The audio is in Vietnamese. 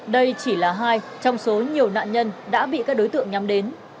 đây chỉ là hai trong số nhiều nạn nhân đã bị các đối tượng nhắm đến